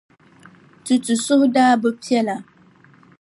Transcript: Tutu suhu daa bi piɛla.